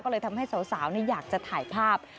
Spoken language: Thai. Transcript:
ก็เลยทำให้สาวอยากจะถ่ายภาพ